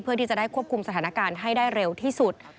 เพื่อที่จะได้ควบคุมสถานการณ์ให้ได้เร็วที่สุด